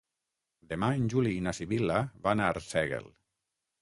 Demà en Juli i na Sibil·la van a Arsèguel.